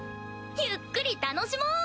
ゆっくり楽しもう！